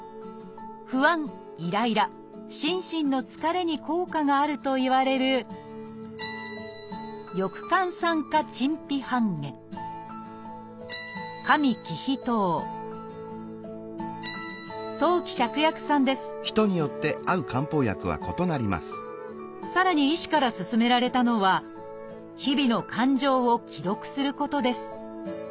不安イライラ心身の疲れに効果があるといわれるさらに医師から勧められたのは日々の感情を記録することです。